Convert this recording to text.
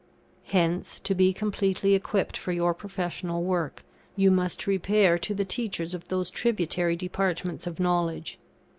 Hence to be completely equipped for your professional work, you must repair to the teachers of those tributary departments of knowledge.